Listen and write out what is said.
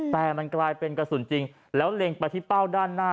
แต่มันกลายเป็นกระสุนจริงแล้วเล็งไปที่เป้าด้านหน้า